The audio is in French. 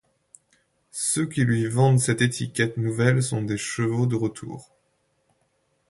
ceux qui lui vendent cette étiquette nouvelle sont des chevaux de retour